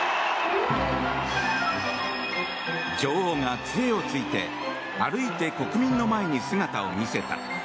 女王が杖をついて歩いて国民の前に姿を見せた。